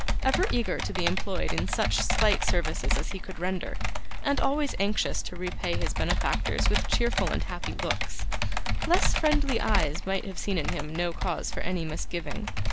Ever eager to be employed in such slight services as he could render, and always anxious to repay his benefactors with cheerful and happy looks, less friendly eyes might have seen in him no cause for any misgiving.